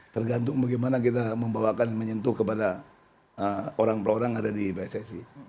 tergantung bagaimana kita membawakan menyentuh kepada orang orang ada di pssi